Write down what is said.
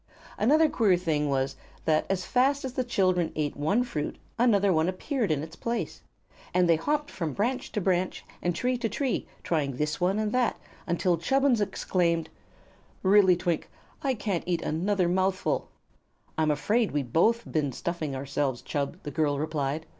Another queer thing was, that as fast as the children ate one fruit, another appeared in its place, and they hopped from branch to branch and tree to tree, trying this one and that, until Chubbins exclaimed: "Really, Twink, I can't eat another mouthful." "I'm afraid we've both been stuffing ourselves, Chub," the girl replied.